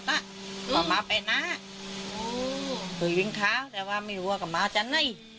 แต่เราไม่รู้ว่ามีผ่านอยู่ตรงนั้น